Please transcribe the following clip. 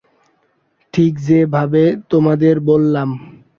ঠিক যে ভাবে তোমাদের বললাম।